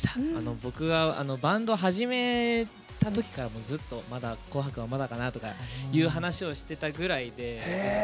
僕がバンド始めた時からずっと「紅白」はまだかな？とかいうお話をしていたぐらいで。